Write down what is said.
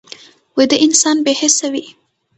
ویده انسان بې حسه وي